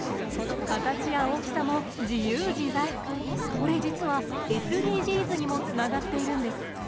これ実はＳＤＧｓにもつながっているんです。